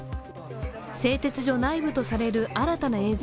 製鉄所内部とされる新たな５ｅｃ＠